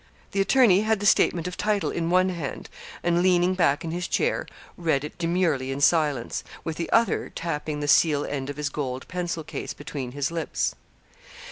The attorney had the statement of title in one hand, and leaning back in his chair, read it demurely in silence, with the other tapping the seal end of his gold pencil case between his lips.